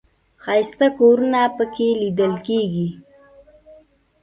ښایسته کورونه په کې لیدل کېږي.